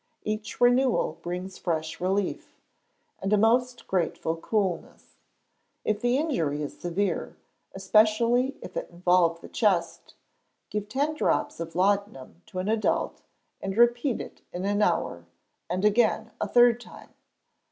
Each renewal brings fresh relief, and a most grateful coolness. If the injury is severe, especially if it involve the chest, give ten drops of laudanum to an adult, and repeat it in an hour, and again a third time.